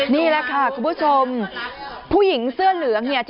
นี่แหละค่ะคุณผู้ชมผู้หญิงเสื้อเหลืองเนี่ย